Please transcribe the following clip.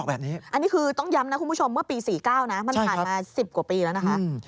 อันนี้คือต้องย้ำนะคุณผู้ชมเมื่อปี๔๙นะมันผ่านมา๑๐กว่าปีแล้วนะคะ